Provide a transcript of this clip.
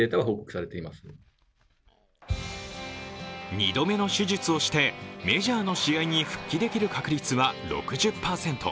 ２度目の手術をしてメジャーの試合に復帰できる確率は６０％。